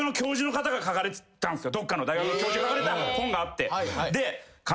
どっかの大学の教授が書かれた本があって。